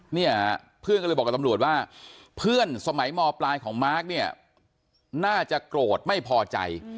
เนี่ยเพื่อนก็เลยบอกกับตำรวจว่าเพื่อนสมัยมปลายของมาร์คเนี่ยน่าจะโกรธไม่พอใจ